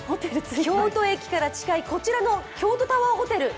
京都駅から近いこちらの京都タワーホテル。